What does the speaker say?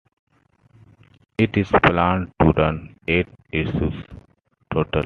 It is planned to run eight issues total.